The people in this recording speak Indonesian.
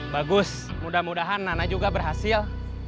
bagus mudah mudahan nana juga berhasil